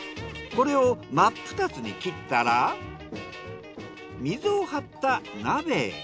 これを真っ二つに切ったら水をはった鍋へ。